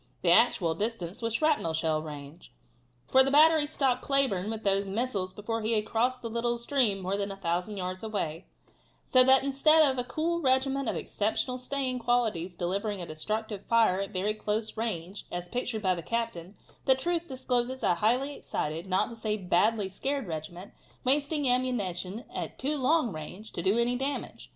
The actual distance was shrapnel shell range, for the battery stopped Cleburne with those missiles before he had crossed the little stream more than 1,000 yards away, so that instead of a cool regiment of exceptional staying qualities delivering a destructive fire at very close range, as pictured by the captain, the truth discloses a highly excited, not to say a badly scared regiment, wasting ammunition at too long range to do any damage.